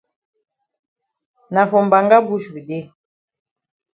Na for mbanga bush we dey.